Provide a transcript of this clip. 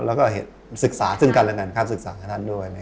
แล้วก็ศึกษาซึ่งกันและกันครับศึกษาให้ท่านด้วย